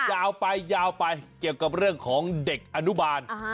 ยาวไปยาวไปเกี่ยวกับเรื่องของเด็กอนุบาล